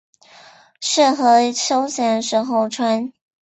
适合休闲时候穿。